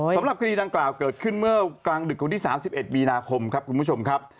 สำหรับคดีดังกล่าวเกิดขึ้นเมื่อกลางดึกวันที่๓๑มีนาคมครับคุณผู้ชมครับ